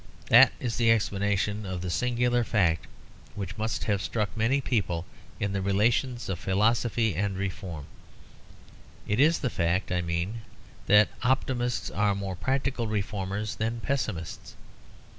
That is the explanation of the singular fact which must have struck many people in the relations of philosophy and reform. It is the fact (I mean) that optimists are more practical reformers than pessimists.